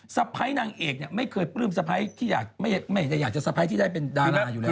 สะพ้ายนางเอกเนี่ยไม่เคยปลื้มสะพ้ายที่ไม่ได้อยากจะสะพ้ายที่ได้เป็นดาราอยู่แล้ว